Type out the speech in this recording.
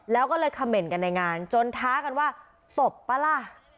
แล้วก็เลยคำเมนต์กันในงานจนท้ากันว่าตบป่ะล่ะ